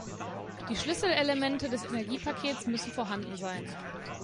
Die Schlüsselelemente des Energiepakets müssen vorhanden sein.